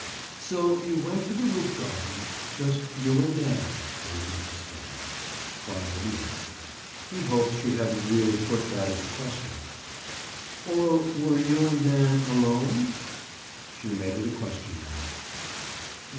"So you went to the roof garden—just you and Dan," purred Mrs. Dan. Bob didn't answer. He hoped she hadn't really put that as a question. "Or were you and Dan alone?" She made it a question now.